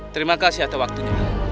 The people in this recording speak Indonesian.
terima kasih atas waktunya